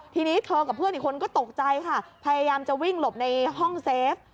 ทีนี้เธอกับเพื่อนอีกคนก็ตกใจค่ะพยายามจะวิ่งหลบในห้องเซฟ